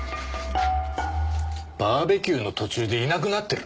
バーベキューの途中でいなくなってる？